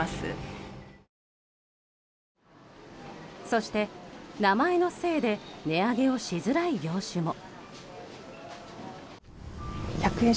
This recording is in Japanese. そして、名前のせいで値上げをしづらい業種も。